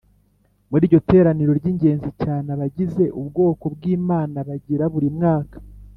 muri iryo teraniro ry ingenzi cyane abagize ubwoko bw Imana bagira buri mwaka